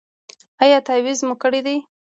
ایا تعویذ مو کړی دی؟